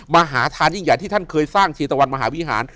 มหาทานยิ่งใหญ่ที่ท่านเคยสร้างชีตะวันมหาวิหาร